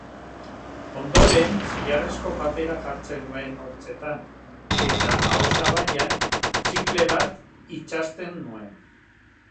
Ondoren, zilarrezko papera jartzen nuen hortzetan eta ahosabaian txikle bat itsasten nuen.